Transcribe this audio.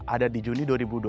ada di juni dua ribu dua puluh